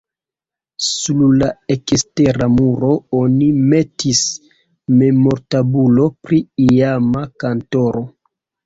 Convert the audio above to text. Sur la ekstera muro oni metis memortabulon pri iama kantoro.